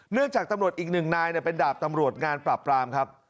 เนื่องจากอีกนายเป็นดาบตำรวจงานปราบปรามครับ